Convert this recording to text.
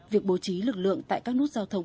việc bố trí lực lượng tại các nút giao thông